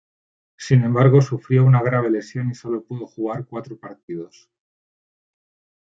Sin embargo, sufrió una grave lesión y solo pudo jugar cuatro partidos.